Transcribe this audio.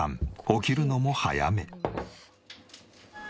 起きるのも早め。